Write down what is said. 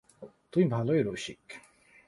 তুমি ভালোই রসিক।